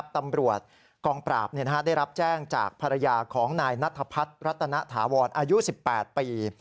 ตำรวจกองปราบได้รับแจ้งจากภรรยาของนายนัทพัฒน์รัตนถาวรอายุ๑๘ปี